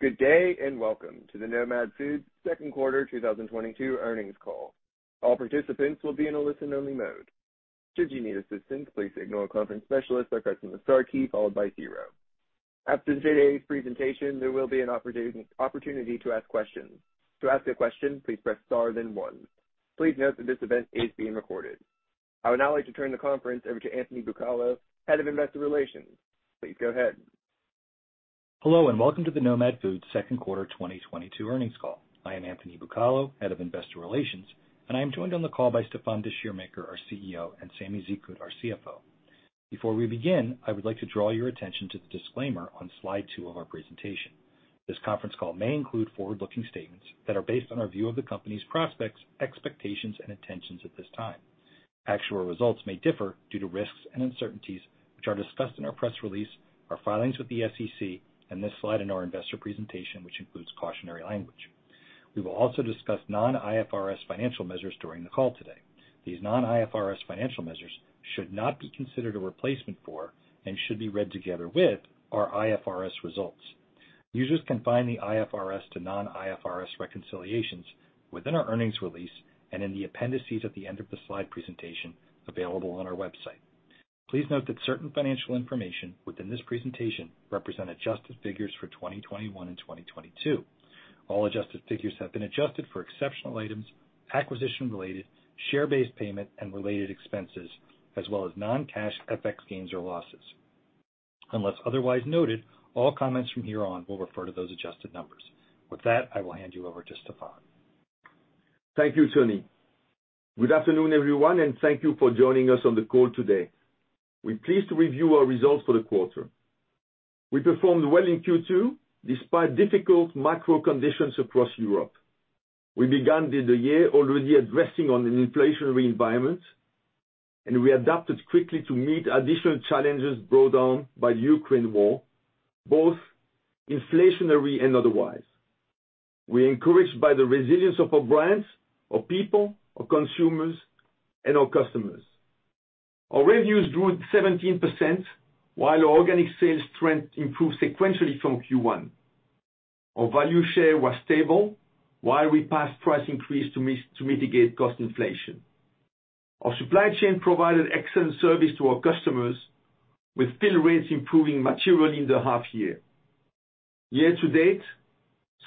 Good day, and Welcome to the Nomad Foods Second Quarter 2022 Earnings Call. All participants will be in a listen-only mode. Should you need assistance, please signal a conference specialist by pressing the star key followed by zero. After today's presentation, there will be an opportunity to ask questions. To ask a question, please press star then one. Please note that this event is being recorded. I would now like to turn the conference over to Anthony Bucalo, Head of Investor Relations. Please go ahead. Hello, and welcome to the Nomad Foods second quarter 2022 earnings call. I am Anthony Bucalo, Head of Investor Relations, and I am joined on the call by Stéfan Descheemaeker, our CEO, and Samy Zekhout, our CFO. Before we begin, I would like to draw your attention to the disclaimer on slide 2 of our presentation. This conference call may include forward-looking statements that are based on our view of the company's prospects, expectations, and intentions at this time. Actual results may differ due to risks and uncertainties, which are discussed in our press release, our filings with the SEC, and this slide in our investor presentation, which includes cautionary language. We will also discuss non-IFRS financial measures during the call today. These non-IFRS financial measures should not be considered a replacement for and should be read together with our IFRS results. Users can find the IFRS to non-IFRS reconciliations within our earnings release and in the appendices at the end of the slide presentation available on our website. Please note that certain financial information within this presentation represent adjusted figures for 2021 and 2022. All adjusted figures have been adjusted for exceptional items, acquisition-related, share-based payment and related expenses, as well as non-cash FX gains or losses. Unless otherwise noted, all comments from here on will refer to those adjusted numbers. With that, I will hand you over to Stéfan. Thank you, Tony. Good afternoon, everyone, and thank you for joining us on the call today. We're pleased to review our results for the quarter. We performed well in Q2 despite difficult macro conditions across Europe. We began the year already addressing an inflationary environment, and we adapted quickly to meet additional challenges brought on by Ukraine war, both inflationary and otherwise. We're encouraged by the resilience of our brands, our people, our consumers, and our customers. Our revenues grew 17%, while our organic sales strength improved sequentially from Q1. Our value share was stable while we passed price increase to mitigate cost inflation. Our supply chain provided excellent service to our customers with fill rates improving materially in the half year. Year to date,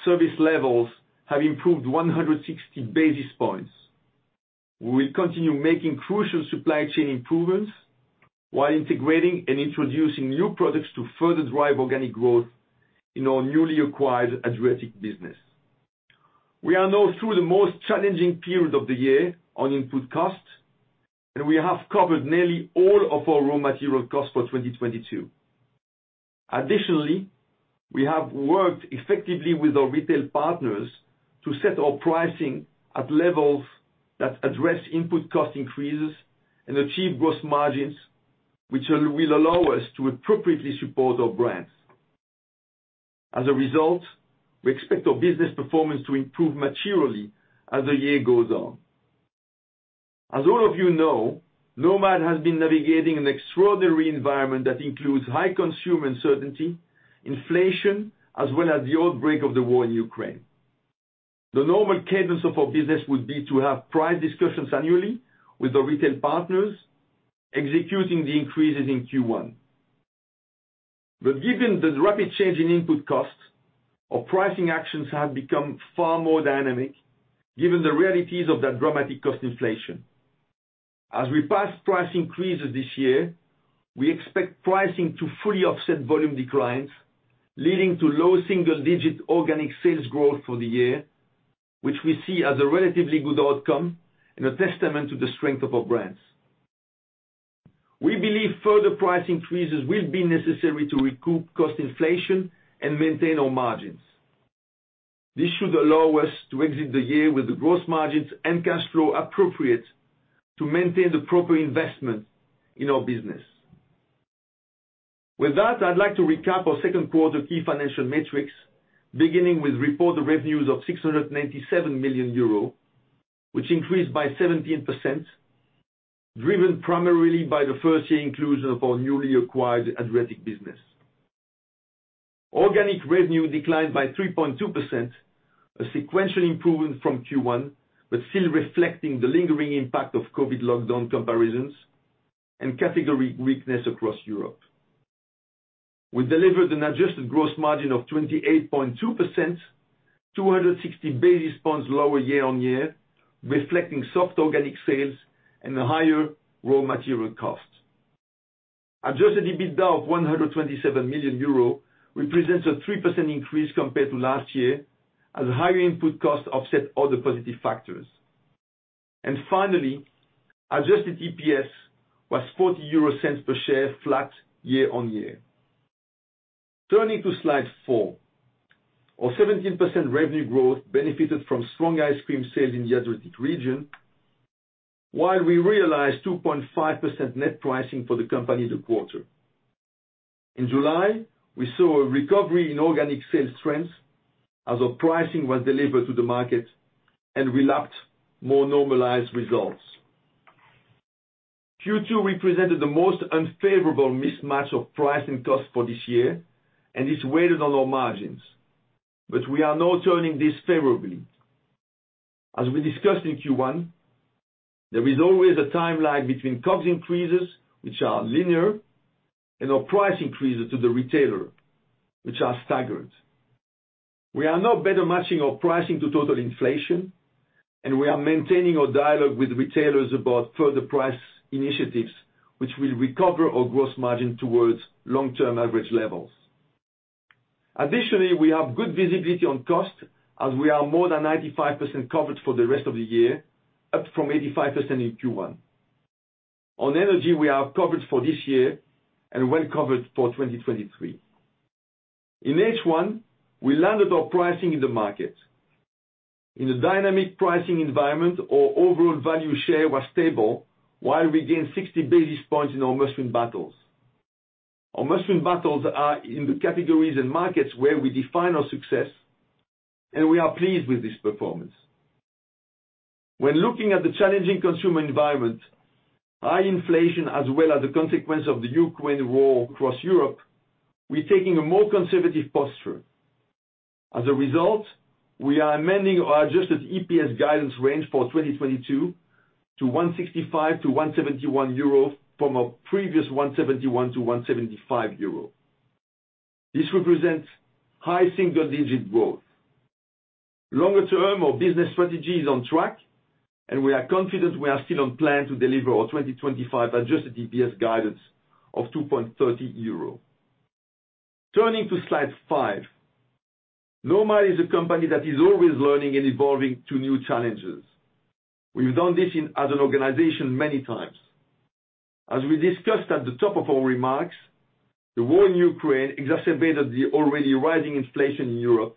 service levels have improved 160 basis points. We will continue making crucial supply chain improvements while integrating and introducing new products to further drive organic growth in our newly acquired Adriatic business. We are now through the most challenging period of the year on input costs, and we have covered nearly all of our raw material costs for 2022. Additionally, we have worked effectively with our retail partners to set our pricing at levels that address input cost increases and achieve gross margins, which will allow us to appropriately support our brands. As a result, we expect our business performance to improve materially as the year goes on. As all of you know, Nomad has been navigating an extraordinary environment that includes high consumer uncertainty, inflation, as well as the outbreak of the war in Ukraine. The normal cadence of our business would be to have price discussions annually with the retail partners, executing the increases in Q1. Given the rapid change in input costs, our pricing actions have become far more dynamic given the realities of that dramatic cost inflation. As we pass price increases this year, we expect pricing to fully offset volume declines, leading to low single-digit% organic sales growth for the year, which we see as a relatively good outcome and a testament to the strength of our brands. We believe further price increases will be necessary to recoup cost inflation and maintain our margins. This should allow us to exit the year with the gross margins and cash flow appropriate to maintain the proper investment in our business. With that, I'd like to recap our second quarter key financial metrics, beginning with reported revenues of 697 million euro, which increased by 17%, driven primarily by the first-year inclusion of our newly acquired Adriatic business. Organic revenue declined by 3.2%, a sequential improvement from Q1, but still reflecting the lingering impact of COVID lockdown comparisons and category weakness across Europe. We delivered an adjusted gross margin of 28.2%, 260 basis points lower year-on-year, reflecting soft organic sales and higher raw material costs. Adjusted EBITDA of 127 million euro represents a 3% increase compared to last year as higher input costs offset all the positive factors. Finally, adjusted EPS was 0.40 per share flat year-on-year. Turning to slide 4. Our 17% revenue growth benefited from strong ice cream sales in the Adriatic region, while we realized 2.5% net pricing for the company this quarter. In July, we saw a recovery in organic sales trends as our pricing was delivered to the market and relapped more normalized results. Q2 represented the most unfavorable mismatch of price and cost for this year and is weighed on our margins. We are now turning this favorably. As we discussed in Q1, there is always a timeline between cost increases, which are linear, and our price increases to the retailer, which are staggered. We are now better matching our pricing to total inflation, and we are maintaining our dialogue with retailers about further price initiatives, which will recover our gross margin towards long-term average levels. Additionally, we have good visibility on cost as we are more than 95% covered for the rest of the year, up from 85% in Q1. On energy, we are covered for this year and well covered for 2023. In H1, we landed our pricing in the market. In a dynamic pricing environment, our overall value share was stable, while we gained 60 basis points in our must-win battles. Our must-win battles are in the categories and markets where we define our success, and we are pleased with this performance. When looking at the challenging consumer environment, high inflation as well as the consequence of the Ukraine war across Europe, we're taking a more conservative posture. As a result, we are amending our adjusted EPS guidance range for 2022 to 1.65-1.71 euro from our previous 1.71-1.75 euro. This represents high single-digit growth. Longer term, our business strategy is on track, and we are confident we are still on plan to deliver our 2025 adjusted EPS guidance of 2.30 euro. Turning to slide 5. Nomad Foods is a company that is always learning and evolving to new challenges. We've done this in the past as an organization many times. As we discussed at the top of our remarks, the war in Ukraine exacerbated the already rising inflation in Europe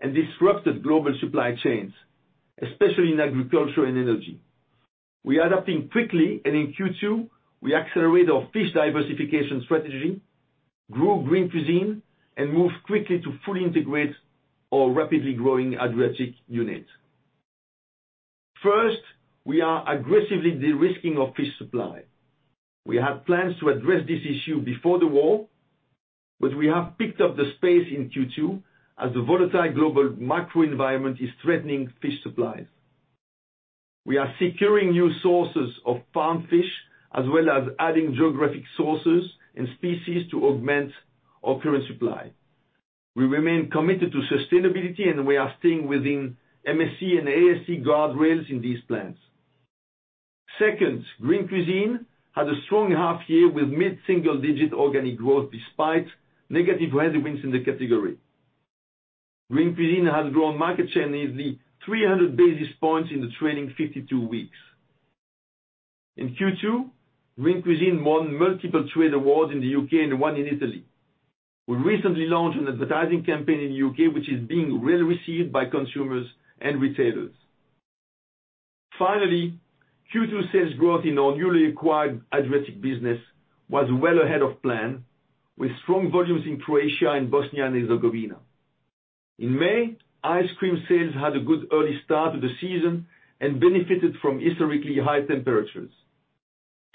and disrupted global supply chains, especially in agriculture and energy. We're adapting quickly, and in Q2, we accelerated our fish diversification strategy, grew Green Cuisine, and moved quickly to fully integrate our rapidly growing Adriatic unit. First, we are aggressively de-risking of fish supply. We have plans to address this issue before the war, but we have picked up the space in Q2 as the volatile global macro environment is threatening fish supplies. We are securing new sources of farmed fish as well as adding geographic sources and species to augment our current supply. We remain committed to sustainability and we are staying within MSC and ASC guardrails in these plans. Second, Green Cuisine had a strong half year with mid-single digit organic growth despite negative headwinds in the category. Green Cuisine has grown market share nearly 300 basis points in the trailing 52 weeks. In Q2, Green Cuisine won multiple trade awards in the U.K., and one in Italy. We recently launched an advertising campaign in the U.K., which is being well received by consumers and retailers. Finally, Q2 sales growth in our newly acquired Adriatic business was well ahead of plan, with strong volumes in Croatia and Bosnia and Herzegovina. In May, ice cream sales had a good early start to the season and benefited from historically high temperatures.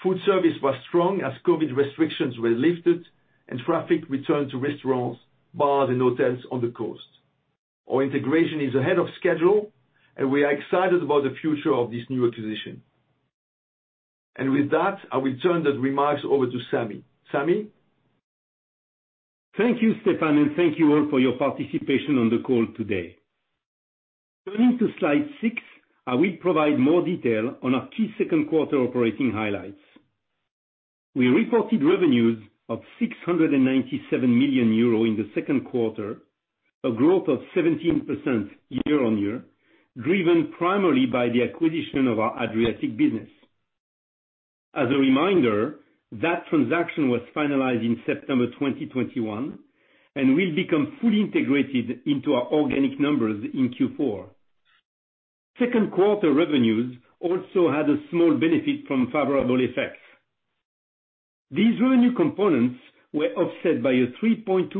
Food service was strong as COVID restrictions were lifted and traffic returned to restaurants, bars and hotels on the coast. Our integration is ahead of schedule and we are excited about the future of this new acquisition. With that, I will turn the remarks over to Samy. Samy? Thank you, Stéfan, and thank you all for your participation on the call today. Turning to slide 6, I will provide more detail on our key second quarter operating highlights. We reported revenues of 697 million euro in the second quarter, a growth of 17% year-on-year, driven primarily by the acquisition of our Adriatic business. As a reminder, that transaction was finalized in September 2021 and will become fully integrated into our organic numbers in Q4. Second quarter revenues also had a small benefit from favorable FX effects. These revenue components were offset by a 3.2%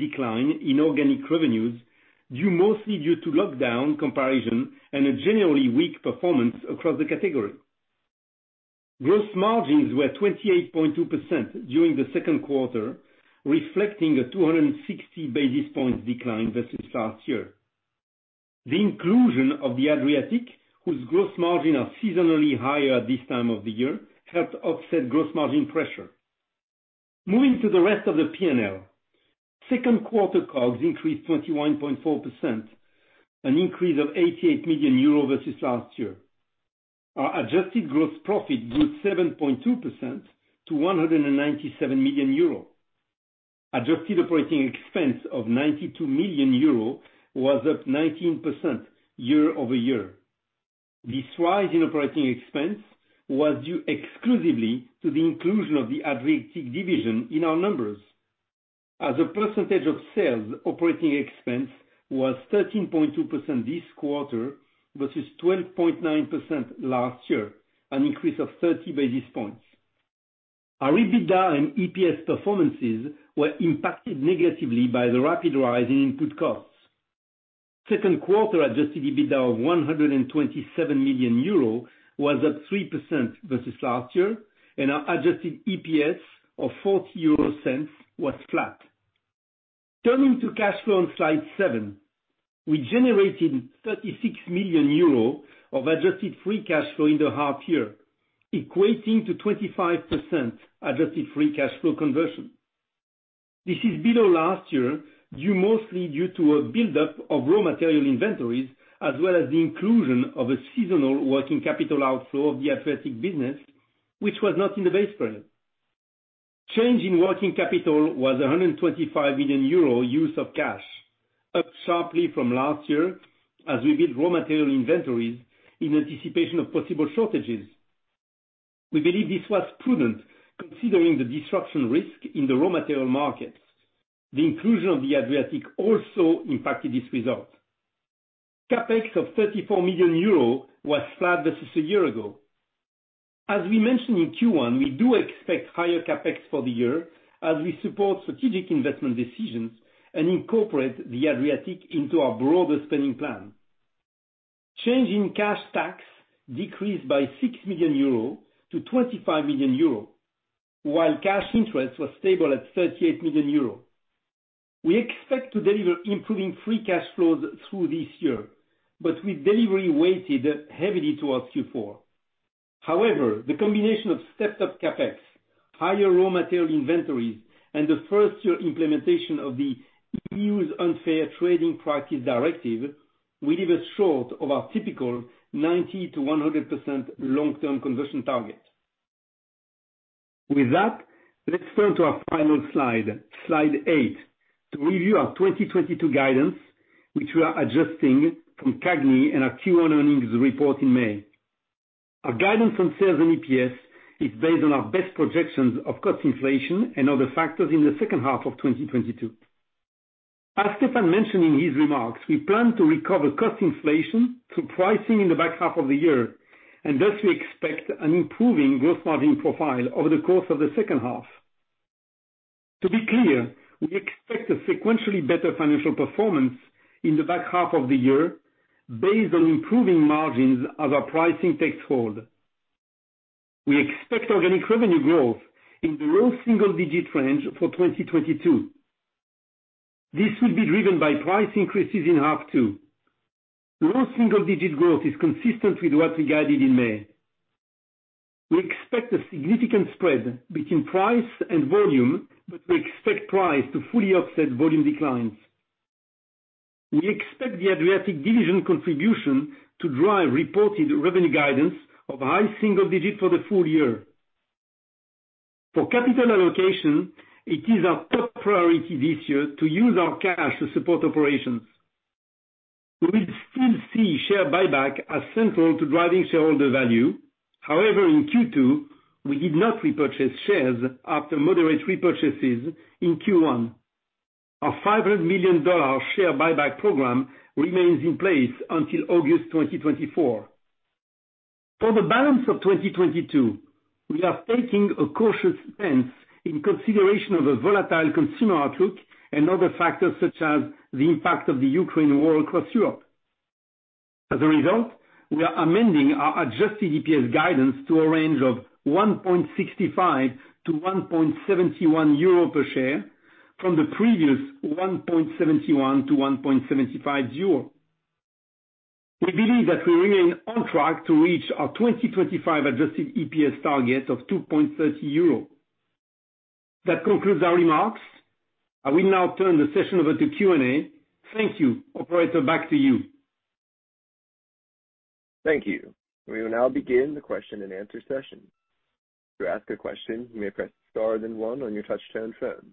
decline in organic revenues due mostly to lockdown comparison and a generally weak performance across the category. Gross margins were 28.2% during the second quarter, reflecting a 260 basis points decline versus last year. The inclusion of the Adriatic, whose gross margins are seasonally higher at this time of the year, helped offset gross margin pressure. Moving to the rest of the P&L. Second quarter COGS increased 21.4%, an increase of 88 million euro versus last year. Our adjusted gross profit grew 7.2% to 197 million euro. Adjusted operating expense of 92 million euro was up 19% year-over-year. This rise in operating expense was due exclusively to the inclusion of the Adriatic division in our numbers. As a percentage of sales, operating expense was 13.2% this quarter versus 12.9% last year, an increase of 30 basis points. Our EBITDA and EPS performances were impacted negatively by the rapid rise in input costs. Second quarter adjusted EBITDA of 127 million euro was at 3% versus last year, and our adjusted EPS of 0.40 was flat. Turning to cash flow on slide seven, we generated 36 million euros of adjusted Free Cash Flow in the half year, equating to 25% adjusted Free Cash Flow conversion. This is below last year, due mostly to a buildup of raw material inventories as well as the inclusion of a seasonal working capital outflow of the Adriatic business which was not in the base period. Change in working capital was a 125 million euro use of cash, up sharply from last year as we built raw material inventories in anticipation of possible shortages. We believe this was prudent considering the disruption risk in the raw material markets. The inclusion of the Adriatic also impacted this result. CapEx of 34 million euro was flat versus a year ago. As we mentioned in Q1, we do expect higher CapEx for the year as we support strategic investment decisions and incorporate the Adriatic into our broader spending plan. Change in cash tax decreased by 6 million-25 million euro, while cash interest was stable at 38 million euro. We expect to deliver improving Free Cash Flows through this year, but with delivery weighted heavily towards Q4. However, the combination of stepped-up CapEx, higher raw material inventories, and the first year implementation of the EU's Unfair Trading Practices Directive will leave us short of our typical 90%-100% long-term conversion target. With that, let's turn to our final slide 8, to review our 2022 guidance, which we are adjusting from CAGNY in our Q1 earnings report in May. Our guidance on sales and EPS is based on our best projections of cost inflation and other factors in the second half of 2022. Stéfan mentioned in his remarks, we plan to recover cost inflation through pricing in the back half of the year, and thus we expect an improving gross margin profile over the course of the second half. To be clear, we expect a sequentially better financial performance in the back half of the year based on improving margins as our pricing takes hold. We expect organic revenue growth in the low single-digit range for 2022. This will be driven by price increases in half two. Low single-digit growth is consistent with what we guided in May. We expect a significant spread between price and volume, but we expect price to fully offset volume declines. We expect the Adriatic division contribution to drive reported revenue guidance of high single-digit% for the full year. For capital allocation, it is our top priority this year to use our cash to support operations. We still see share buyback as central to driving shareholder value. However, in Q2, we did not repurchase shares after moderate repurchases in Q1. Our EUR 500 million share buyback program remains in place until August 2024. For the balance of 2022, we are taking a cautious stance in consideration of a volatile consumer outlook and other factors such as the impact of the Ukraine war across Europe. As a result, we are amending our adjusted EPS guidance to a range of 1.65-1.71 euro per share from the previous 1.71-1.75 euro. We believe that we remain on track to reach our 2025 adjusted EPS target of 2.30 euro. That concludes our remarks. I will now turn the session over to Q&A. Thank you. Operator, back to you. Thank you. We will now begin the question and answer session. To ask a question, you may press star then one on your touch-tone phone.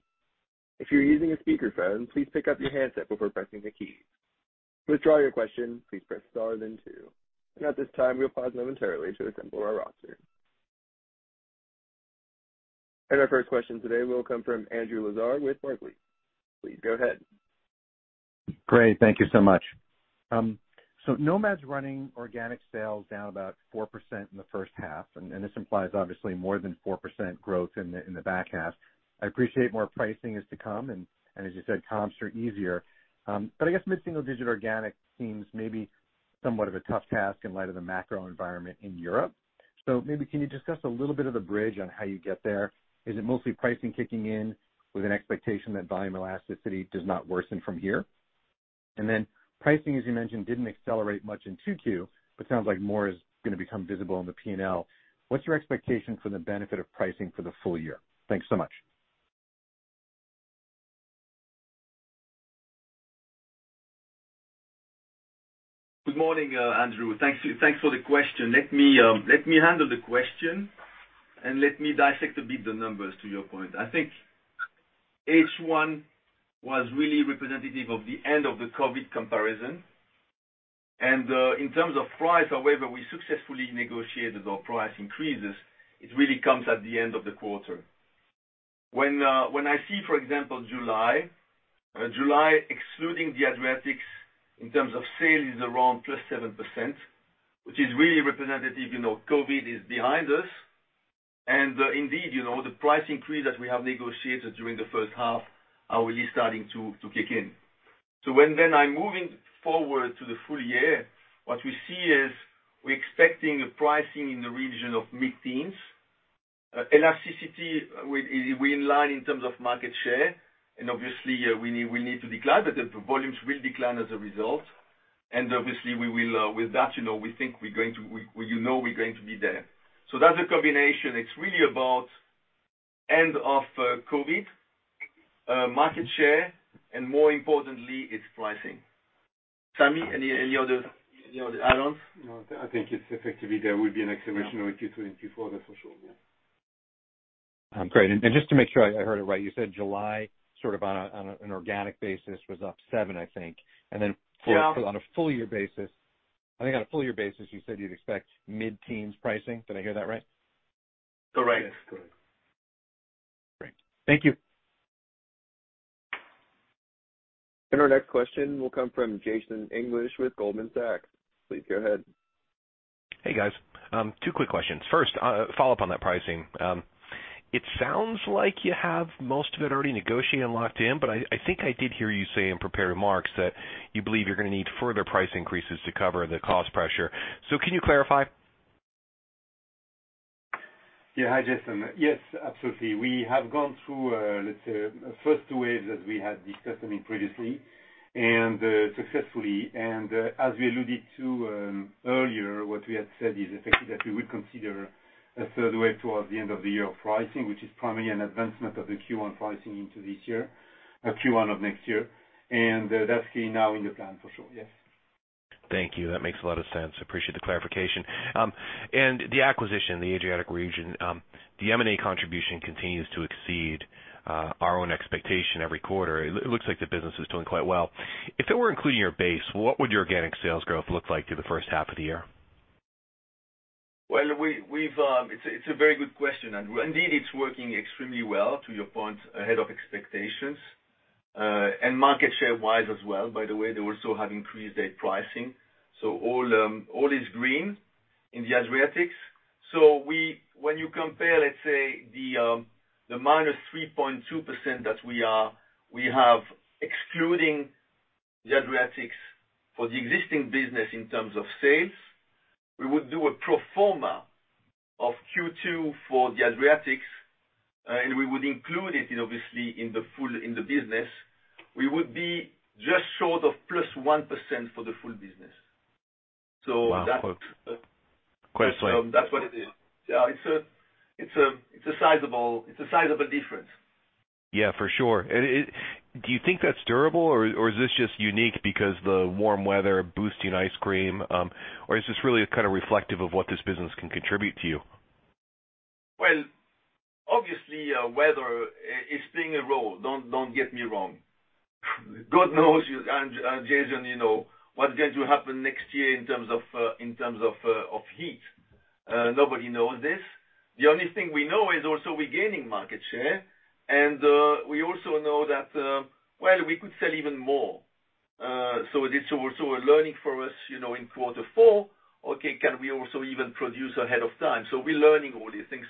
If you're using a speakerphone, please pick up your handset before pressing the key. To withdraw your question, please press star then two. At this time, we'll pause momentarily to assemble our roster. Our first question today will come from Andrew Lazar with Barclays. Please go ahead. Great. Thank you so much. Nomad's running organic sales down about 4% in the first half, and this implies obviously more than 4% growth in the back half. I appreciate more pricing is to come and as you said, comps are easier. I guess mid-single digit organic seems maybe somewhat of a tough task in light of the macro environment in Europe. Maybe can you discuss a little bit of the bridge on how you get there? Is it mostly pricing kicking in with an expectation that volume elasticity does not worsen from here? Pricing, as you mentioned, didn't accelerate much in 2Q, but sounds like more is gonna become visible in the P&L. What's your expectation for the benefit of pricing for the full year? Thanks so much. Good morning, Andrew. Thanks for the question. Let me handle the question and let me dissect a bit the numbers to your point. I think H1 was really representative of the end of the COVID comparison. In terms of price, however, we successfully negotiated our price increases. It really comes at the end of the quarter. When I see, for example, July excluding the Adriatics in terms of sales is around +7%, which is really representative, you know. COVID is behind us. Indeed, you know, the price increase that we have negotiated during the first half are really starting to kick in. Then, when I'm moving forward to the full year, what we see is we're expecting pricing in the region of mid-teens. Elasticity we in line in terms of market share, and obviously we need to decline, but the volumes will decline as a result. With that, you know, we think you know we're going to be there. That's a combination. It's really about end of COVID, market share, and more importantly, it's pricing. Samy, any other add-ons? No, I think it's effectively there will be an acceleration with Q3 and Q4, that's for sure. Yeah. Great. Just to make sure I heard it right, you said July sort of on an organic basis was up 7%, I think. Then for- Yeah. On a full year basis, I think you said you'd expect mid-teens pricing. Did I hear that right? Correct. Yes. Correct. Great. Thank you. Our next question will come from Jason English with Goldman Sachs. Please go ahead. Hey, guys. Two quick questions. First, follow-up on that pricing. It sounds like you have most of it already negotiated and locked in, but I think I did hear you say in prepared remarks that you believe you're gonna need further price increases to cover the cost pressure. Can you clarify? Yeah. Hi, Jason. Yes, absolutely. We have gone through, let's say the first wave that we had been discussing previously, and successfully. As we alluded to earlier, what we had said is effectively that we would consider a third wave towards the end of the year pricing, which is primarily an advancement of the Q1 pricing into this year, Q1 of next year. That's key now in the plan for sure. Yes. Thank you. That makes a lot of sense. Appreciate the clarification. The acquisition, the Adriatic region, the M&A contribution continues to exceed our own expectation every quarter. It looks like the business is doing quite well. If it were including your base, what would your organic sales growth look like through the first half of the year? Well, it's a very good question, and indeed, it's working extremely well, to your point, ahead of expectations. Market share-wise as well, by the way, they also have increased their pricing. All is green in the Adriatics. When you compare, let's say, the -3.2% that we have excluding the Adriatics for the existing business in terms of sales, we would do a pro forma of Q2 for the Adriatics, and we would include it in, obviously, the full business. We would be just short of +1% for the full business. That Wow. Quite. That's what it is. Yeah. It's a sizable difference. Yeah, for sure. Do you think that's durable or is this just unique because the warm weather boosting ice cream? Or is this really kind of reflective of what this business can contribute to you? Well, obviously, weather is playing a role. Don't get me wrong. God knows and Jason, you know, what's going to happen next year in terms of heat. Nobody knows this. The only thing we know is also we're gaining market share, and we also know that, well, we could sell even more. This also a learning for us, you know, in quarter four. Okay, can we also even produce ahead of time? We're learning all these things.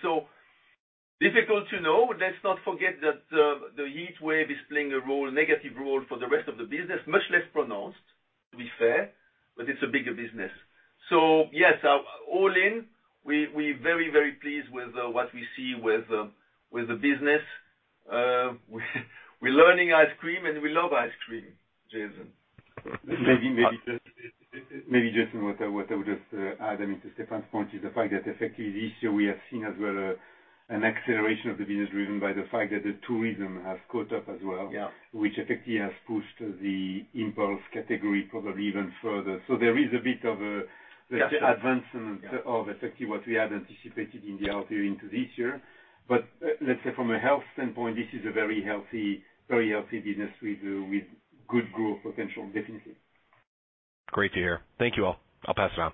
Difficult to know. Let's not forget that, the heat wave is playing a role, negative role for the rest of the business, much less pronounced, to be fair, but it's a bigger business. Yes, all in, we're very pleased with what we see with the business. We're launching ice cream and we love ice cream, Jason. Maybe, Jason, what I would just add into Stéfan's point is the fact that effectively this year we have seen as well an acceleration of the business driven by the fact that the tourism has caught up as well. Yeah. Which effectively has pushed the impulse category probably even further. Yeah. Advancement of effectively what we had anticipated in the LRP into this year. Let's say from a health standpoint, this is a very healthy business we do with good growth potential, definitely. Great to hear. Thank you, all. I'll pass it on.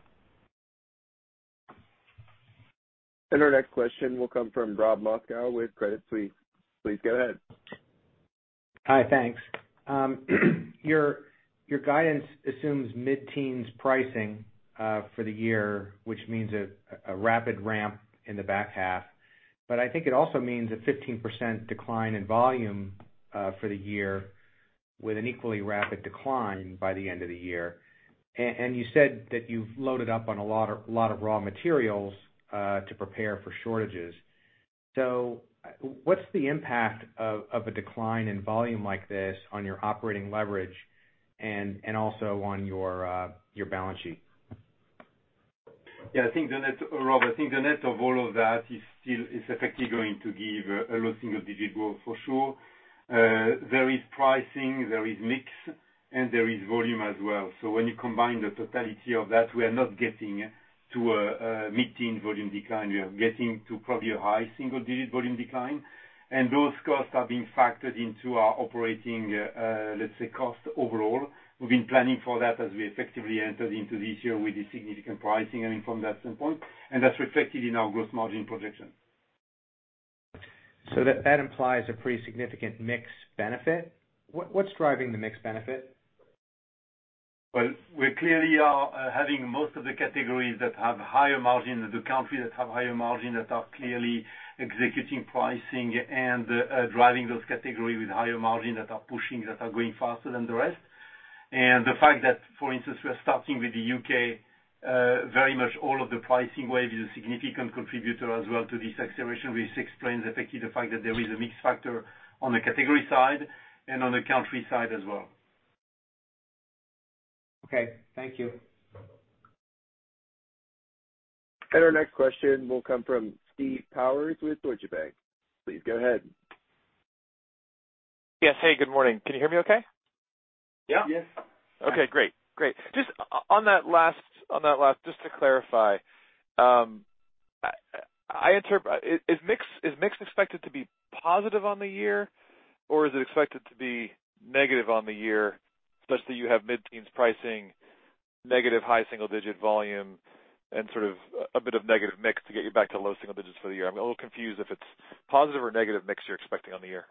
Our next question will come from Robert Moskow with Credit Suisse. Please go ahead. Hi. Thanks. Your guidance assumes mid-teens pricing for the year, which means a rapid ramp in the back half. I think it also means a 15% decline in volume for the year with an equally rapid decline by the end of the year. You said that you've loaded up on a lot of raw materials to prepare for shortages. What's the impact of a decline in volume like this on your operating leverage and also on your balance sheet? Yeah. I think the net of all of that is still effectively going to give low single-digit% growth for sure. There is pricing, there is mix, and there is volume as well. When you combine the totality of that, we are not getting to a mid-teens% volume decline. We are getting to probably a high single-digit% volume decline, and those costs are being factored into our operating, let's say, cost overall. We've been planning for that as we effectively entered into this year with the significant pricing, I mean, from that standpoint, and that's reflected in our gross margin projection. That implies a pretty significant mix benefit. What's driving the mix benefit? Well, we clearly are having most of the categories that have higher margin than the country that have higher margin, that are clearly executing pricing and, driving those category with higher margin that are pushing, that are going faster than the rest. The fact that, for instance, we're starting with the U.K., very much all of the pricing wave is a significant contributor as well to this acceleration, which explains effectively the fact that there is a mix factor on the category side and on the country side as well. Okay. Thank you. Our next question will come from Stephen Powers with Deutsche Bank. Please go ahead. Yes. Hey, good morning. Can you hear me okay? Yeah. Yes. Okay, great. Just on that last, just to clarify, I interpret. Is mix expected to be positive on the year, or is it expected to be negative on the year such that you have mid-teens pricing, negative high single digit volume and sort of a bit of negative mix to get you back to low single digits for the year? I'm a little confused if it's positive or negative mix you're expecting on the year.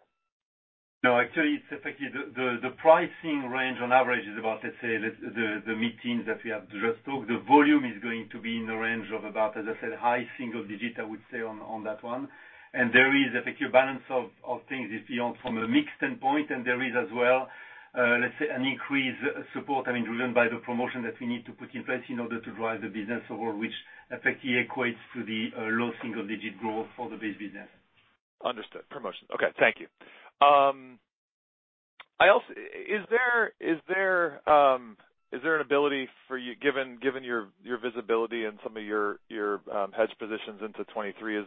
No, actually, it's effectively the pricing range on average is about, let's say, the mid-teens% that we have just talked. The volume is going to be in the range of about, as I said, high single digit%, I would say on that one. There is effective balance of things if you know from a mix standpoint, and there is as well, let's say an increased support, I mean, driven by the promotion that we need to put in place in order to drive the business forward, which effectively equates to the low single digit% growth for the base business. Understood. Promotion. Okay, thank you. I also. Is there an ability for you, given your visibility and some of your hedge positions into 2023, is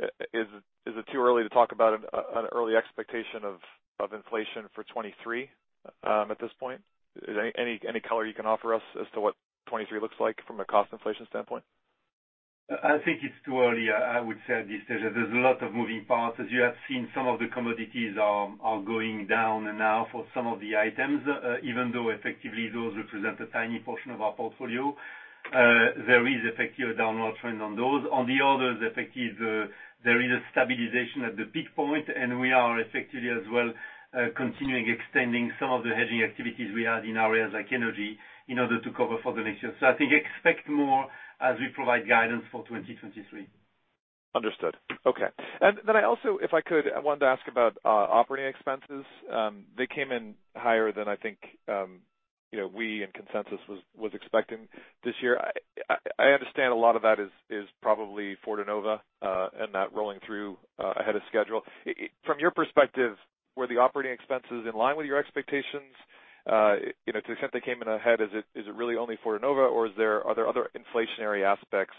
it too early to talk about an early expectation of inflation for 2023 at this point? Any color you can offer us as to what 2023 looks like from a cost inflation standpoint? I think it's too early. I would say at this stage that there's a lot of moving parts. As you have seen, some of the commodities are going down now for some of the items, even though effectively those represent a tiny portion of our portfolio, there is effectively a downward trend on those. On the others, there is a stabilization at the peak point, and we are effectively as well, continuing extending some of the hedging activities we had in areas like energy in order to cover for the next year. I think expect more as we provide guidance for 2023. Understood. Okay. I also, if I could, I wanted to ask about operating expenses. They came in higher than I think you know, we and consensus was expecting this year. I understand a lot of that is probably Fortenova and that rolling through ahead of schedule. From your perspective, were the operating expenses in line with your expectations? You know, to the extent they came in ahead, is it really only Fortenova or are there other inflationary aspects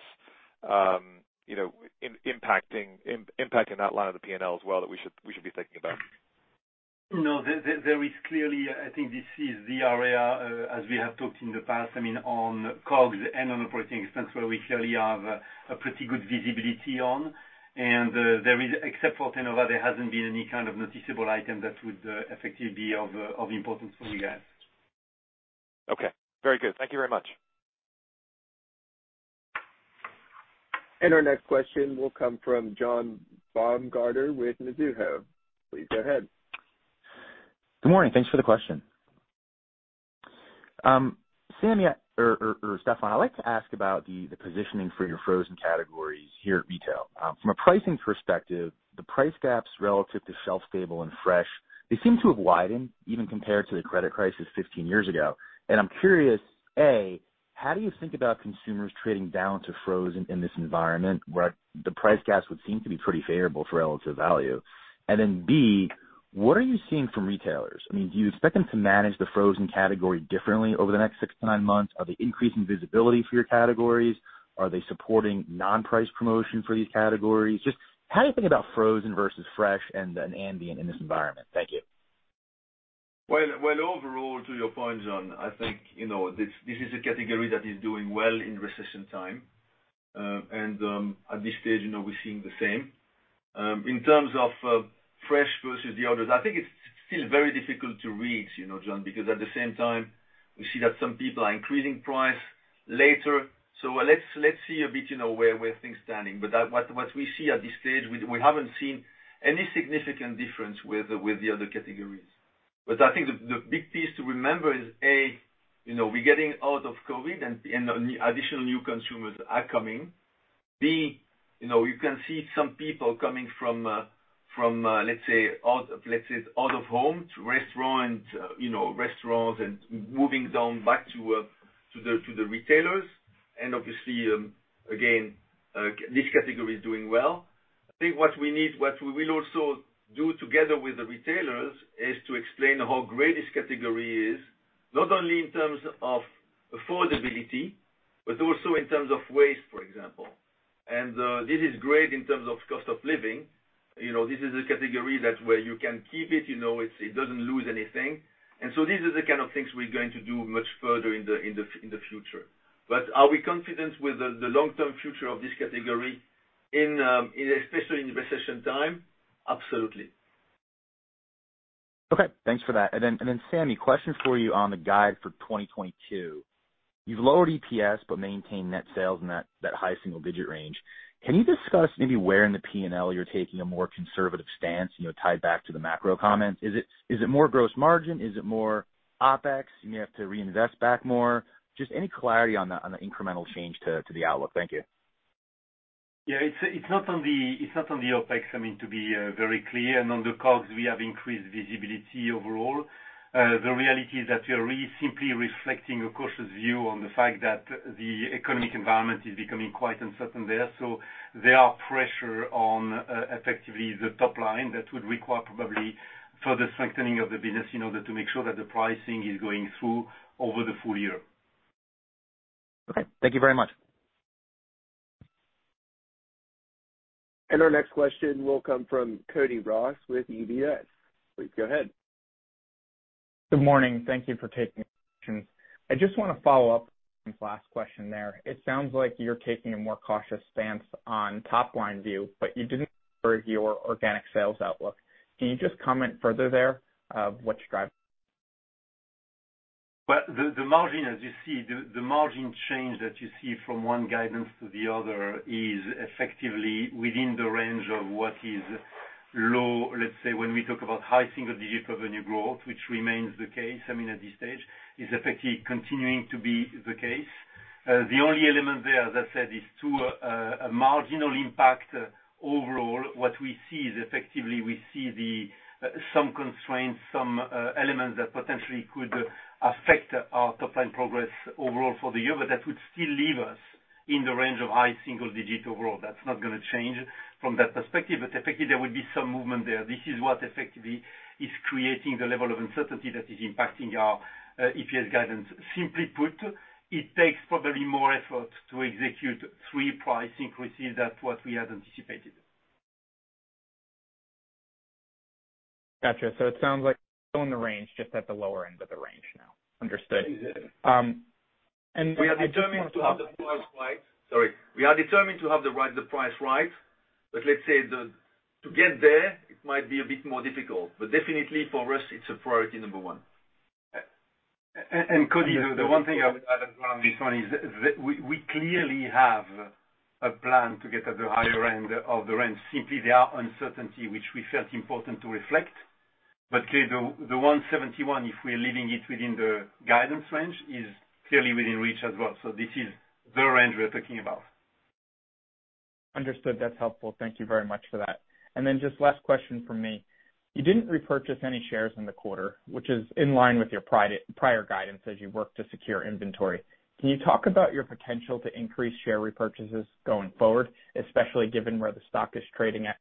you know, impacting that line of the P&L as well that we should be thinking about? No, there is clearly, I think, this is the area, as we have talked in the past, I mean, on COGS and on operating expense, where we clearly have a pretty good visibility on. Except for Fortenova, there hasn't been any kind of noticeable item that would effectively be of importance for you guys. Okay. Very good. Thank you very much. Our next question will come from John Baumgartner with Mizuho. Please go ahead. Good morning. Thanks for the question. Sammy or Stefan, I'd like to ask about the positioning for your frozen categories here at retail. From a pricing perspective, the price gaps relative to shelf stable and fresh, they seem to have widened even compared to the credit crisis 15 years ago. I'm curious. A, how do you think about consumers trading down to frozen in this environment where the price gaps would seem to be pretty favorable for relative value? B, what are you seeing from retailers? I mean, do you expect them to manage the frozen category differently over the next 6-9 months? Are they increasing visibility for your categories? Are they supporting non-price promotion for these categories? Just how do you think about frozen versus fresh and then ambient in this environment? Thank you. Well, overall, to your point, John, I think, you know, this is a category that is doing well in recession time. At this stage, you know, we're seeing the same. In terms of fresh versus the others, I think it's still very difficult to read, you know, John, because at the same time we see that some people are increasing price later. Let's see a bit, you know, where things standing. But what we see at this stage, we haven't seen any significant difference with the other categories. But I think the big piece to remember is, A, you know, we're getting out of COVID and additional new consumers are coming.[B,] you know, you can see some people coming from out of home to restaurants and moving back to the retailers. Obviously, again, this category is doing well. I think what we will also do together with the retailers is to explain how great this category is, not only in terms of affordability, but also in terms of waste, for example. This is great in terms of cost of living. You know, this is a category where you can keep it, you know, it doesn't lose anything. These are the kind of things we're going to do much further in the future. Are we confident with the long-term future of this category, especially in recession time? Absolutely. Okay, thanks for that. Samy, question for you on the guide for 2022. You've lowered EPS but maintained net sales in that high single-digit range. Can you discuss maybe where in the P&L you're taking a more conservative stance, you know, tied back to the macro comments? Is it more gross margin? Is it more OpEx, you may have to reinvest back more? Just any clarity on the incremental change to the outlook. Thank you. Yeah. It's not on the OpEx, I mean, to be very clear. On the COGS, we have increased visibility overall. The reality is that we are really simply reflecting a cautious view on the fact that the economic environment is becoming quite uncertain there. There are pressure on effectively the top line that would require probably further strengthening of the business in order to make sure that the pricing is going through over the full year. Okay, thank you very much. Our next question will come from Cody Ross with UBS. Please go ahead. Good morning. Thank you for taking my questions. I just wanna follow up on last question there. It sounds like you're taking a more cautious stance on top line view, but you didn't for your organic sales outlook. Can you just comment further there, what's driving? Well, the margin change that you see from one guidance to the other is effectively within the range of what is low. Let's say when we talk about high single digit revenue growth, which remains the case, I mean, at this stage, is effectively continuing to be the case. The only element there, as I said, is to a marginal impact. Overall, what we see is effectively some constraints, some elements that potentially could affect our top line progress overall for the year, but that would still leave us in the range of high single digit overall. That's not gonna change from that perspective, but effectively there will be some movement there. This is what effectively is creating the level of uncertainty that is impacting our EPS guidance. Simply put, it takes probably more effort to execute three price increases than what we had anticipated. Gotcha. It sounds like still in the range, just at the lower end of the range now. Understood. Exactly. Um, and- We are determined to have the price right, but let's say to get there, it might be a bit more difficult. Definitely for us, it's a priority number one. Cody, the one thing I would add on this one is that we clearly have a plan to get at the higher end of the range. Simply, there are uncertainty which we felt important to reflect. Clearly the 171, if we're leaving it within the guidance range, is clearly within reach as well. This is the range we're talking about. Understood. That's helpful. Thank you very much for that. Just last question from me. You didn't repurchase any shares in the quarter, which is in line with your prior guidance as you worked to secure inventory. Can you talk about your potential to increase share repurchases going forward, especially given where the stock is trading at?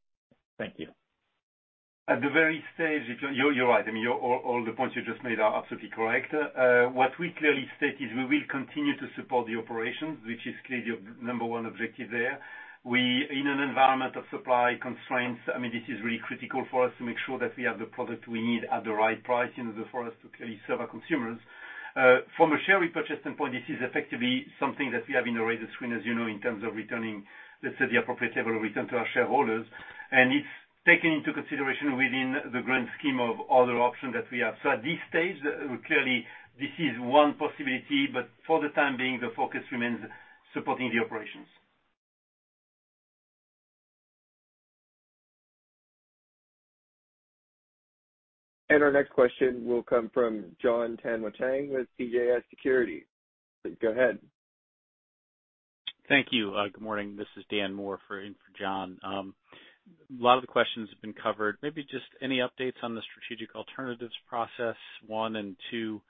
Thank you. You're right. I mean, all the points you just made are absolutely correct. What we clearly state is we will continue to support the operations, which is clearly your number one objective there. In an environment of supply constraints, I mean, this is really critical for us to make sure that we have the product we need at the right price in order for us to clearly serve our consumers. From a share repurchase standpoint, this is effectively something that we have on the radar screen, as you know, in terms of returning, let's say, the appropriate level of return to our shareholders, and it's taken into consideration within the grand scheme of other options that we have. At this stage, clearly this is one possibility, but for the time being, the focus remains supporting the operations. Our next question will come from Jon Tanwanteng with CJS Securities. Go ahead. Thank you. Good morning. This is Daniel Moore in for Jon. A lot of the questions have been covered. Maybe just any updates on the strategic alternatives process, one. Two,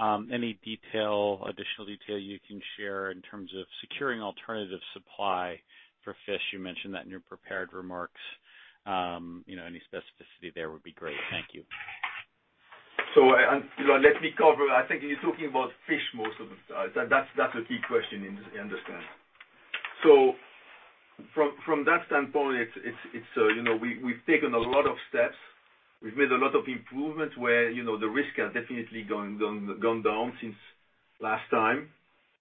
any detail, additional detail you can share in terms of securing alternative supply for fish? You mentioned that in your prepared remarks. You know, any specificity there would be great. Thank you. You know, let me cover. I think you're talking about fish most of the time. That's the key question I understand. From that standpoint, it's you know, we've taken a lot of steps. We've made a lot of improvements where you know, the risk has definitely gone down since last time.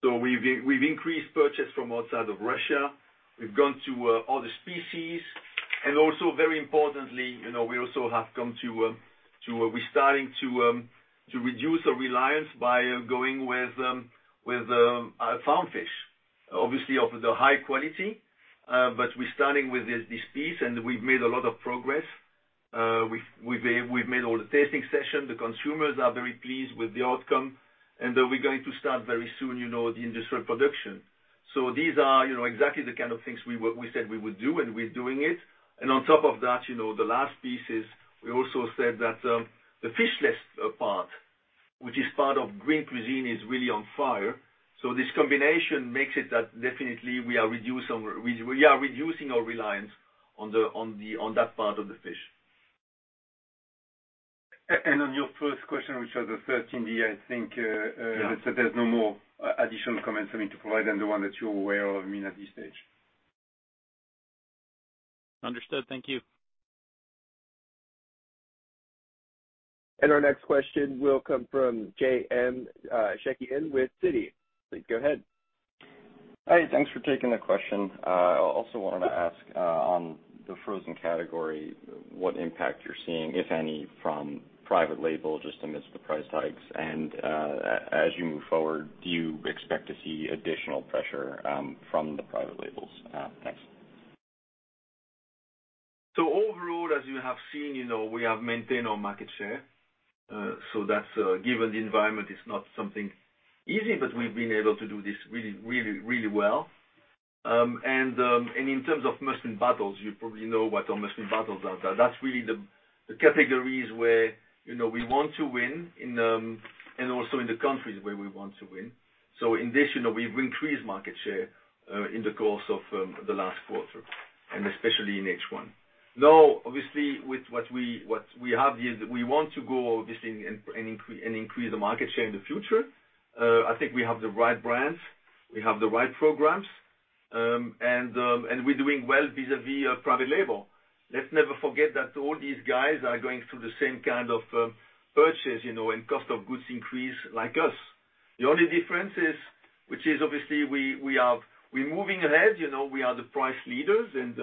We've increased purchase from outside of Russia. We've gone to other species. And also very importantly, you know, we also have come to. We're starting to reduce our reliance by going with farmed fish, obviously of the high quality. But we're starting with this piece, and we've made a lot of progress. We've made all the tasting session. The consumers are very pleased with the outcome. We're going to start very soon, you know, the industrial production. These are, you know, exactly the kind of things we said we would do, and we're doing it. On top of that, you know, the last piece is we also said that the fishless part, which is part of Green Cuisine, is really on fire. This combination makes it that definitely we are reducing our reliance on the on that part of the fish. On your first question, which was the search in the I think. Yeah. There's no more additional comments for me to provide than the one that you're aware of, I mean, at this stage. Understood. Thank you. Our next question will come from JM Shekein with Citi. Please go ahead. Hi. Thanks for taking the question. I also wanted to ask on the frozen category, what impact you're seeing, if any, from private label just amidst the price hikes. As you move forward, do you expect to see additional pressure from the private labels? Thanks. Overall, as you have seen, you know, we have maintained our market share. That's given the environment is not something easy, but we've been able to do this really well. In terms of must-win battles, you probably know what our must-win battles are. That's really the categories where, you know, we want to win in and also in the countries where we want to win. In addition, we've increased market share in the course of the last quarter, and especially in H1. Now, obviously, with what we have here, we want to go obviously and increase the market share in the future. I think we have the right brands, we have the right programs and we're doing well vis-à-vis our private label. Let's never forget that all these guys are going through the same kind of purchasing, you know, and cost of goods increases like us. The only difference is, which is obviously we're moving ahead, you know, we are the price leaders and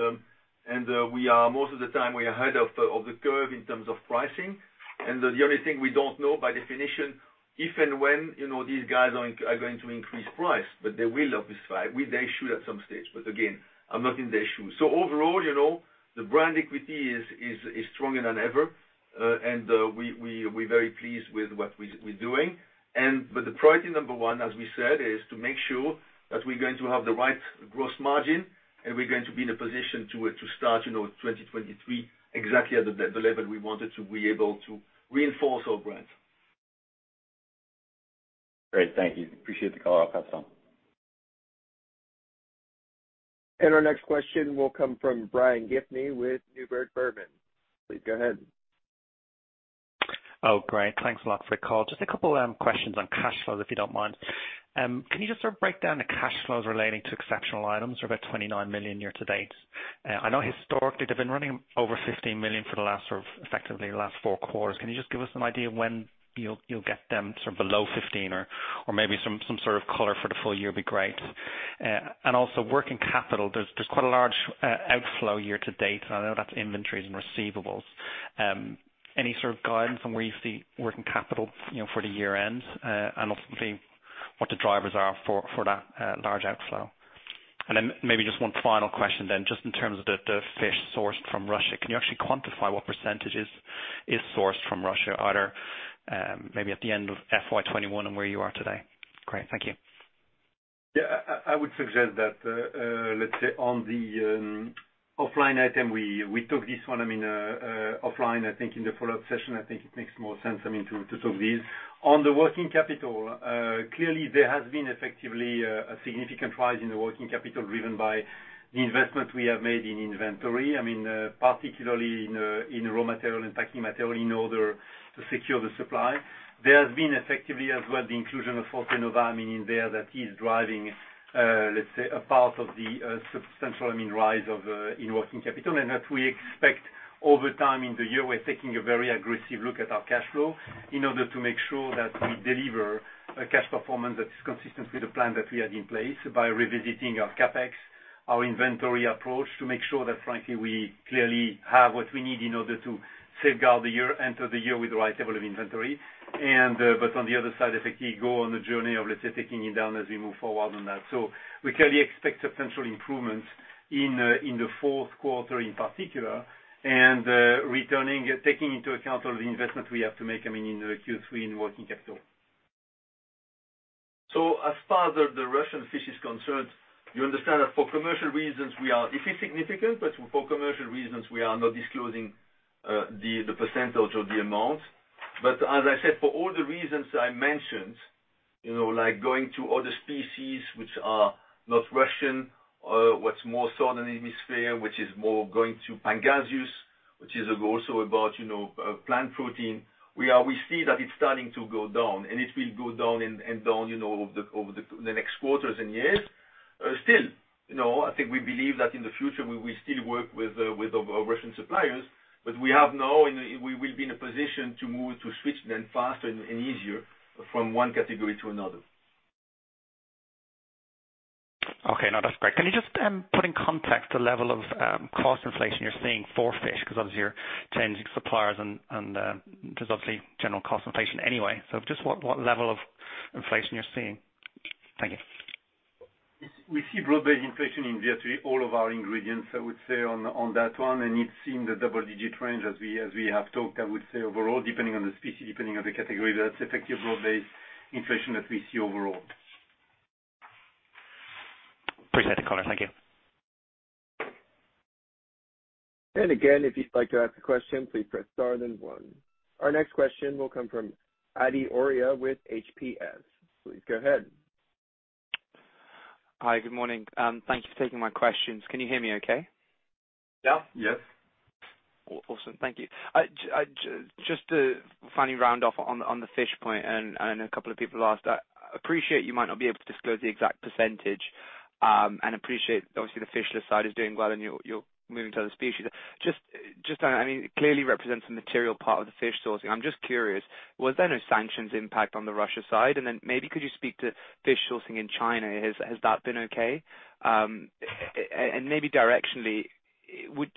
we are most of the time ahead of the curve in terms of pricing. The only thing we don't know by definition, if and when, you know, these guys are going to increase prices, but they will obviously. They should at some stage. Again, I'm not in their shoes. Overall, you know, the brand equity is stronger than ever. We're very pleased with what we're doing. The priority number one, as we said, is to make sure that we're going to have the right gross margin, and we're going to be in a position to start, you know, 2023 exactly at the level we wanted to be able to reinforce our brands. Great. Thank you. Appreciate the call. I'll pass on. Our next question will come from Brian Gaffney with Neuberger Berman. Please go ahead. Oh, great. Thanks a lot for the call. Just a couple questions on cash flows, if you don't mind. Can you just sort of break down the cash flows relating to exceptional items? They're about 29 million year to date. I know historically they've been running over 15 million for the last sort of, effectively the last four quarters. Can you just give us an idea of when you'll get them sort of below 15 million or maybe some sort of color for the full year would be great. Also working capital. There's quite a large outflow year to date, and I know that's inventories and receivables. Any sort of guidance on where you see working capital, you know, for the year end, and ultimately what the drivers are for that large outflow? Maybe just one final question then, just in terms of the fish sourced from Russia. Can you actually quantify what percentages is sourced from Russia, either maybe at the end of FY 2021 and where you are today? Great. Thank you. Yeah. I would suggest that, let's say on the offline item, we took this one, I mean, offline, I think in the follow-up session. I think it makes more sense, I mean, to talk this. On the working capital, clearly there has been effectively a significant rise in the working capital driven by the investment we have made in inventory. I mean, particularly in raw material and packing material in order to secure the supply. There has been effectively as well the inclusion of Fortenova, I mean, in there that is driving, let's say a part of the substantial, I mean, rise in working capital. That we expect over time in the year, we're taking a very aggressive look at our cash flow in order to make sure that we deliver a cash performance that is consistent with the plan that we had in place by revisiting our CapEx, our inventory approach, to make sure that frankly, we clearly have what we need in order to safeguard the year, enter the year with the right level of inventory. On the other side, effectively go on the journey of, let's say, taking it down as we move forward on that. We clearly expect substantial improvements in the fourth quarter in particular, and returning, taking into account all the investment we have to make, I mean, in Q3 in working capital. As far as the Russian fish is concerned, you understand that for commercial reasons we are. It is significant, but for commercial reasons, we are not disclosing the percentage of the amount. As I said, for all the reasons I mentioned, you know, like going to other species which are not Russian, what's more southern hemisphere, which is more going to Pangasius, which is also about, you know, plant protein. We see that it's starting to go down, and it will go down and down, you know, over the next quarters and years. Still, you know, I think we believe that in the future we will still work with our Russian suppliers, but we have now and we will be in a position to move to switch then faster and easier from one category to another. Okay. No, that's great. Can you just put in context the level of cost inflation you're seeing for fish? 'Cause obviously you're changing suppliers and there's obviously general cost inflation anyway. Just what level of inflation you're seeing? Thank you. We see broad-based inflation in virtually all of our ingredients, I would say, on that one. It's in the double-digit range as we have talked, I would say overall, depending on the species, depending on the category, that's effective broad-based inflation that we see overall. Appreciate the color. Thank you. Again, if you'd like to ask a question, please press Star then one. Our next question will come from Adi Arya with HPS. Please go ahead. Hi, good morning. Thank you for taking my questions. Can you hear me okay? Yeah. Yes. Awesome. Thank you. Just to finally round off on the fish point and a couple of people asked. I appreciate you might not be able to disclose the exact percentage, and appreciate obviously the fish side is doing well and you're moving to other species. Just on, I mean, it clearly represents a material part of the fish sourcing. I'm just curious, was there no sanctions impact on the Russia side? Then maybe could you speak to fish sourcing in China? Has that been okay? Maybe directionally would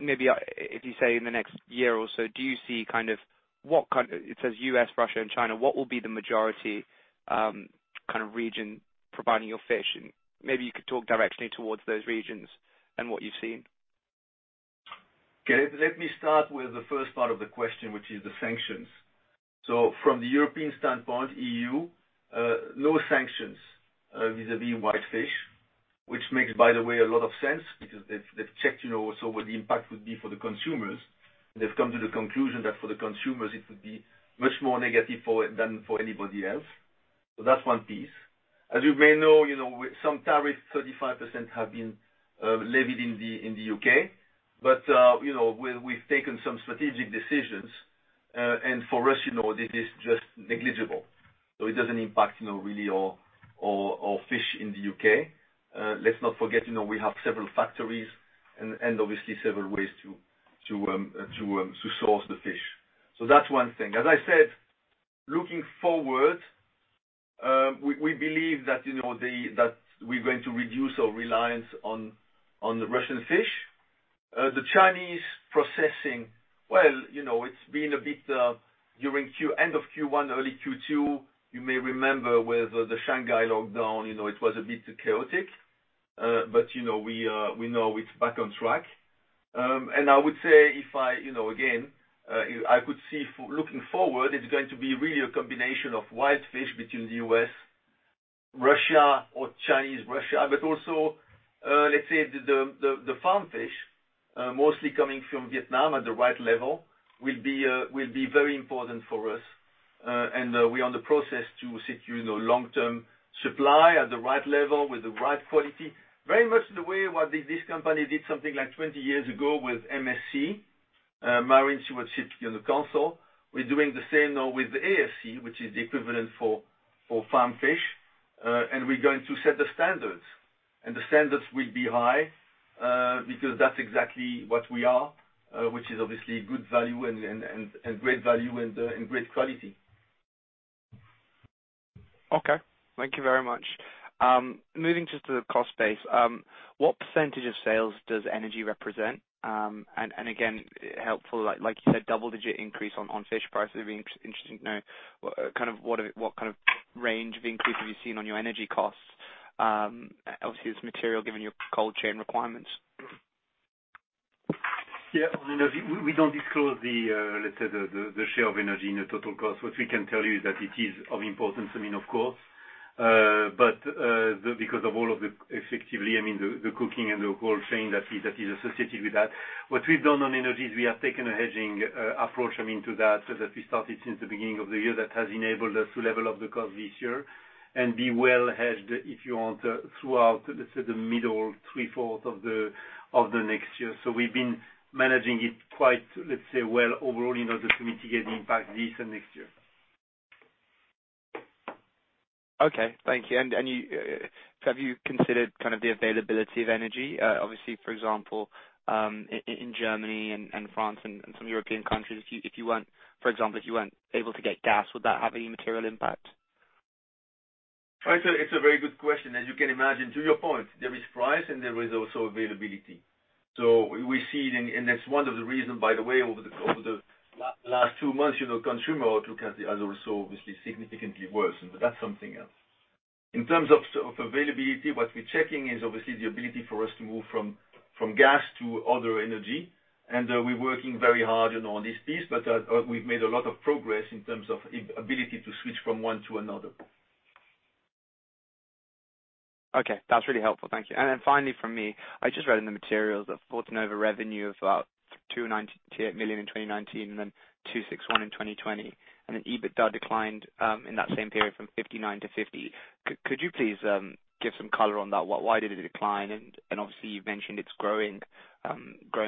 maybe, if you say in the next year or so, do you see kind of what kind. It says U.S., Russia, and China, what will be the majority kind of region providing your fish? Maybe you could talk directly towards those regions and what you've seen. Okay. Let me start with the first part of the question, which is the sanctions. From the European standpoint, EU, no sanctions vis-à-vis whitefish, which makes, by the way, a lot of sense because they've checked, you know, so what the impact would be for the consumers. They've come to the conclusion that for the consumers it would be much more negative for it than for anybody else. That's one piece. As you may know, you know, with some tariffs, 35% have been levied in the, in the U.K. You know, we're, we've taken some strategic decisions, and for us, you know, this is just negligible. It doesn't impact, you know, really our fish in the U.K. Let's not forget, you know, we have several factories and obviously several ways to source the fish. That's one thing. As I said, looking forward, we believe that, you know, that we're going to reduce our reliance on the Russian fish. The Chinese processing, well, you know, it's been a bit during end of Q1, early Q2, you may remember with the Shanghai lockdown, you know, it was a bit chaotic. We know it's back on track. I would say if I, you know, again, if I could see looking forward, it's going to be really a combination of white fish between the U.S., Russia or Chinese Russia, but also, let's say the farm fish mostly coming from Vietnam at the right level will be very important for us. We're in the process to secure, you know, long-term supply at the right level with the right quality. Very much the way this company did something like 20 years ago with MSC, Marine Stewardship Council. We're doing the same now with the ASC, which is the equivalent for farm fish. We're going to set the standards, and the standards will be high, because that's exactly what we are, which is obviously good value and great value and great quality. Okay. Thank you very much. Moving just to the cost base, what percentage of sales does energy represent? Again, helpful, like you said, double-digit increase on fish price. It'd be interesting to know what kind of range of increase have you seen on your energy costs. Obviously it's material given your cold chain requirements. Yeah. I mean, we don't disclose, let's say, the share of energy in the total cost. What we can tell you is that it is of importance, I mean, of course. Because of all of it, effectively, I mean, the cooking and the whole chain that is associated with that. What we've done on energy is we have taken a hedging approach, I mean, to that, so that we started since the beginning of the year that has enabled us to level out the cost this year and be well hedged, if you want, throughout, let's say, the middle three-fourths of the next year. We've been managing it quite, let's say, well overall in order to mitigate impact this and next year. Okay. Thank you. Have you considered kind of the availability of energy? Obviously, for example, in Germany and France and some European countries, if you weren't able to get gas, would that have any material impact? Right. It's a very good question. As you can imagine, to your point, there is price and there is also availability. We're seeing, and that's one of the reason, by the way, over the last two months, you know, consumer outlook has also obviously significantly worsened, but that's something else. In terms of of availability, what we're checking is obviously the ability for us to move from gas to other energy. We're working very hard on this piece, but we've made a lot of progress in terms of ability to switch from one to another. Okay. That's really helpful. Thank you. Finally from me, I just read in the materials that Fortenova revenue of about 29 million in 2019, and then 261 million in 2020, and then EBITDA declined in that same period from 59 million to 50 million. Could you please give some color on that? Why did it decline? And obviously you've mentioned it's growing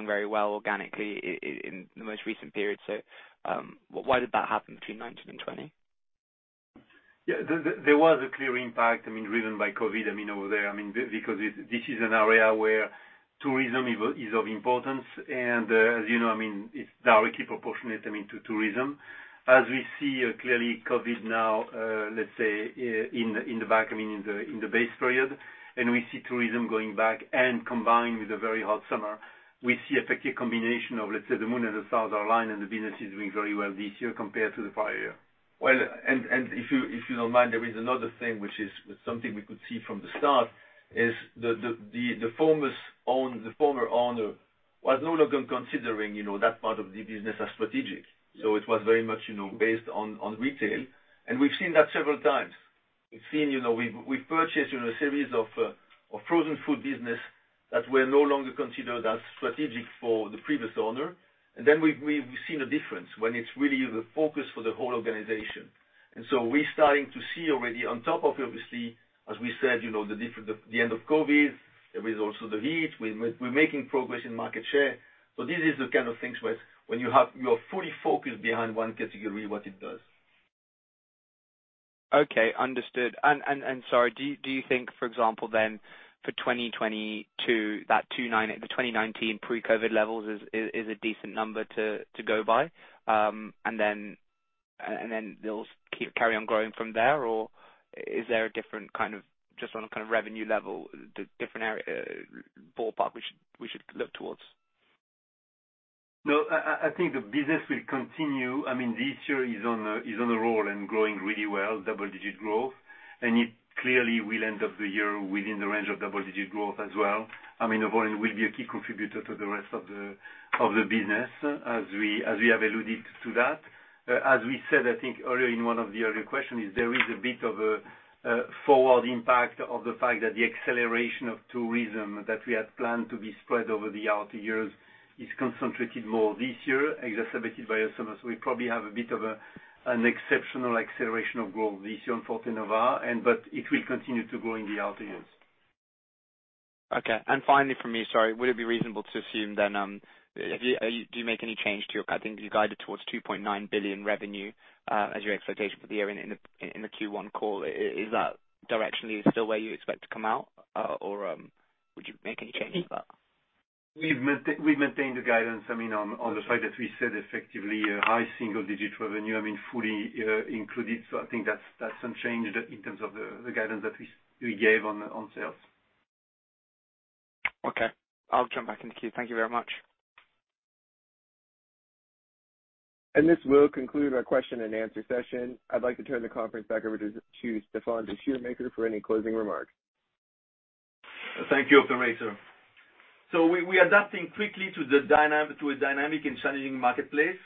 very well organically in the most recent period. Why did that happen between 2019 and 2020? Yeah. There was a clear impact, I mean, driven by COVID, I mean, over there. I mean, because this is an area where tourism is of importance. As you know, I mean, it's directly proportionate, I mean, to tourism. As we see, clearly COVID now, let's say, in the back, I mean, in the base period, and we see tourism going back and combined with a very hot summer, we see a particular combination of, let's say, the moon and the stars align, and the business is doing very well this year compared to the prior year. Well, if you don't mind, there is another thing which is something we could see from the start is the former owner was no longer considering, you know, that part of the business as strategic. It was very much, you know, based on retail. We've seen that several times. We've seen, you know, a difference when it's really the focus for the whole organization. We're starting to see already on top of obviously, as we said, you know, the end of COVID. There is also the heat. We're making progress in market share. This is the kind of things where when you have, you are fully focused behind one category, what it does. Okay. Understood. Sorry, do you think, for example, for 2022, that the 2019 pre-COVID levels is a decent number to go by, and then they'll keep carrying on growing from there, or is there a different kind of just on a kind of revenue level, the different area, ballpark we should look toward? No, I think the business will continue. I mean, this year is on a roll and growing really well, double-digit growth. It clearly will end up the year within the range of double-digit growth as well. I mean, Nomad will be a key contributor to the rest of the business as we have alluded to that. As we said, I think earlier in one of the earlier questions, there is a bit of a forward impact of the fact that the acceleration of tourism that we had planned to be spread over the out years is concentrated more this year, exacerbated by summers. We probably have an exceptional acceleration of growth this year on Fortenova, but it will continue to grow in the out years. Okay. Finally from me, sorry, would it be reasonable to assume then? Do you make any change? I think you guided towards 2.9 billion revenue as your expectation for the year in the Q1 call. Is that directionally still where you expect to come out, or would you make any changes to that? We've maintained the guidance, I mean, on the side that we said effectively high single digit revenue, I mean, fully included. I think that's unchanged in terms of the guidance that we gave on sales. Okay. I'll jump back in the queue. Thank you very much. This will conclude our question and answer session. I'd like to turn the conference back over to Stéfan Descheemaeker for any closing remarks. Thank you, operator. We adapting quickly to a dynamic and challenging marketplace.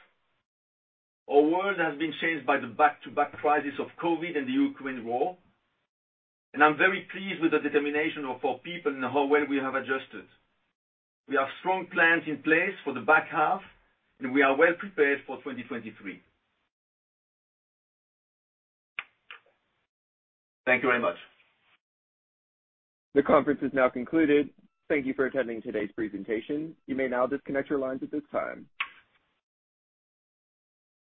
Our world has been changed by the back-to-back crisis of COVID and the Ukraine war, and I'm very pleased with the determination of our people and how well we have adjusted. We have strong plans in place for the back half, and we are well prepared for 2023. Thank you very much. The conference is now concluded. Thank you for attending today's presentation. You may now disconnect your lines at this time.